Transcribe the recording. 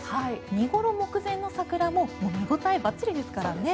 見頃目前の桜も見応えばっちりですからね。